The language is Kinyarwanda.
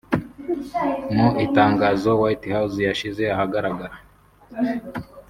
Mu Itangazo White House yashyize ahagaragara